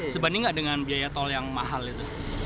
sebanding nggak dengan biaya tol yang mahal itu